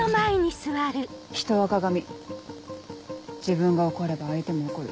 ひとは鏡自分が怒れば相手も怒る。